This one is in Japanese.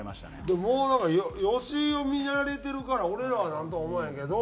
でももうなんか好井を見慣れてるから俺らはなんとも思わへんけど。